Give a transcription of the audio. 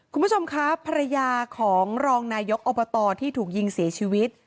คุณผู้ชมครับภรรยาของรองนายกอบตที่ถูกยิงเสียชีวิต